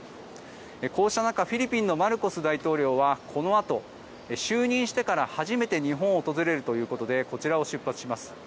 こうした中フィリピンのマルコス大統領はこのあと就任してから初めて日本を訪れるということでこちらを出発します。